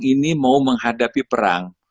ini mau menghadapi perang